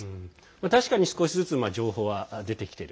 確かに少しずつ情報は出てきている。